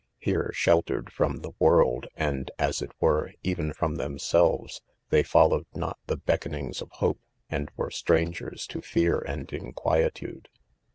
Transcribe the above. Here, sheltered from the world, and, as it were ? even from themselres, they folio wed: not the, beckonings of hope, and were strangers to fear and inquietude.